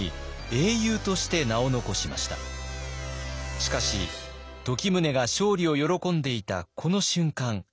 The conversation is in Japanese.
しかし時宗が勝利を喜んでいたこの瞬間